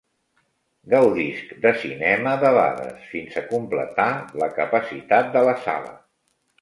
Gaudisc de cinema debades fins a completar la capacitat de la sala!